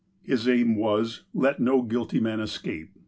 His aim was: "Let no guilty man escape!"